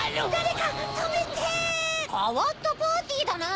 かわったパーティーだな。